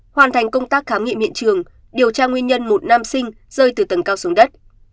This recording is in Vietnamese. hoàn thành công tác khám nghiệm hiện trường điều tra nguyên nhân một nam sinh rơi từ tầng cao xuống đất